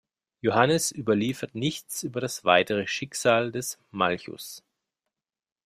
Johannes überliefert nichts über das weitere Schicksal des Malchus.